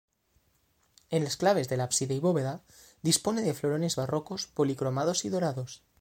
En las claves del ábside y bóveda, dispone de florones barrocos policromados y dorados.